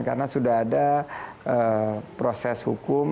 karena sudah ada proses hukum